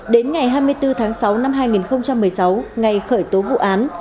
đến ngày hai mươi bốn tháng sáu năm hai nghìn một mươi sáu ngày khởi tố vụ án